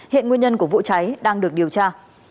hiện nguyên nhân của vụ cháy đang được điều tra